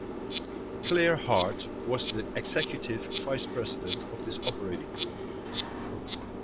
Clare Hart was the executive vice president of this operating group.